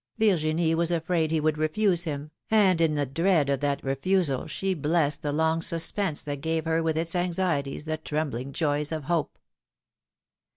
Virginie was afraid he would refuse him, and in the dread of that refusal she blessed the long suspense that gave her with its anxieties the trembling joys of hope.